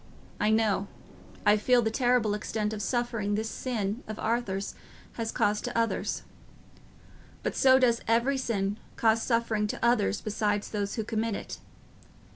I know, I feel the terrible extent of suffering this sin of Arthur's has caused to others; but so does every sin cause suffering to others besides those who commit it.